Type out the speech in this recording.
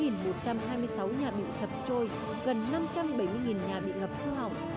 một trăm hai mươi sáu nhà bị sập trôi gần năm trăm bảy mươi nhà bị ngập hư hỏng